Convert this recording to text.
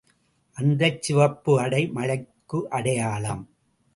அந்திச் சிவப்பு அடை மழைக்கு அடையாளம்.